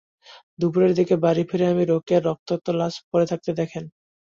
দুপুরের দিকে বাড়ি ফিরে তিনি রোকেয়ার রক্তাক্ত লাশ পড়ে থাকতে দেখেন।